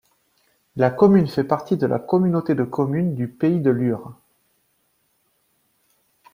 La commune fait partie de la communauté de communes du pays de Lure.